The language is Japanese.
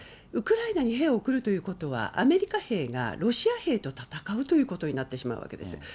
ウクライナに兵を送るということは、アメリカ兵がロシア兵と戦うということになってしまうわけです。